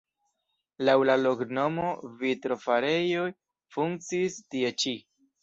Laŭ la loknomo vitrofarejo funkciis tie ĉi.